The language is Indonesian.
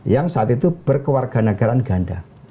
yang saat itu berkewarganegaraan ganda